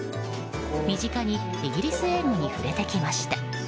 身近にイギリス英語に触れてきました。